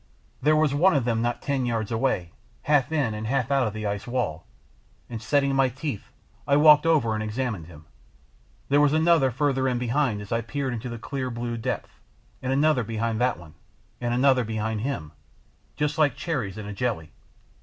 There was one of them not ten yards away half in and half out of the ice wall, and setting my teeth I walked over and examined him. And there was another further in behind as I peered into the clear blue depth, another behind that one, another behind him just like cherries in a jelly.